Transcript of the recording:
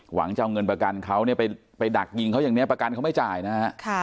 หวังจะเอาเงินประกันเขาเนี่ยไปดักยิงเขาอย่างนี้ประกันเขาไม่จ่ายนะฮะ